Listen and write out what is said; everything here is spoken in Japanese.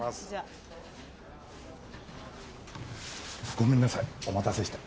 ごめんなさいお待たせして。